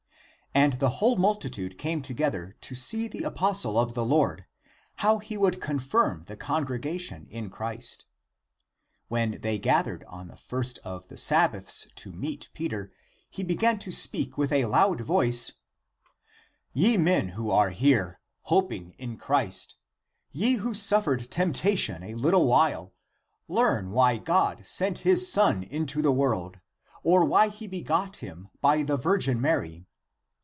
And the whole multi tude came together to see the apostle of the Lord, how he would confirm (the congregation) in Christ. When they gathered on the first of the Sabbaths to meet Peter, he began to speak with a loud voice :" Ye men who are here, hoping in Christ, ye who suffered temptation a little while, learn why God sent his Son into the world, or why he begot (him) by the Virgin Mary.